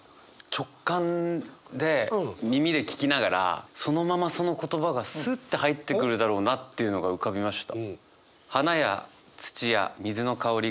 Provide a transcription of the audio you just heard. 直感で耳で聞きながらそのままその言葉がスッて入ってくるだろうなっていうのが浮かびました。